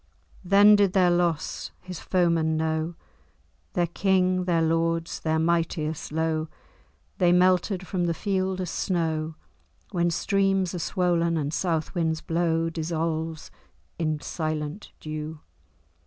Then did their loss his foemen know; Their King, their lords, their mightiest low, They melted from the field as snow, When streams are swoln and south winds blow Dissolves in silent dew.